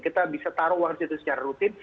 kita bisa taruh uang di situ secara rutin